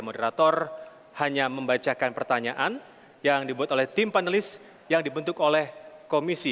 moderator hanya membacakan pertanyaan yang dibuat oleh tim panelis yang dibentuk oleh komisi